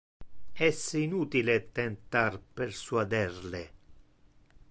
Es inutile tentar persuader le.